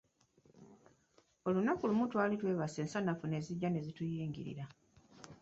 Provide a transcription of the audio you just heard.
Olunaku lumu twali twebase ensanafu ne zijja ne zituyingirira.